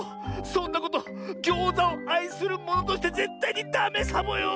そんなことギョーザをあいするものとしてぜったいにダメサボよ！